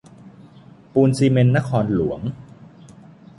ปูนซีเมนต์นครหลวง